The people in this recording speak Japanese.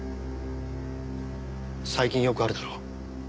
最近よくあるだろ？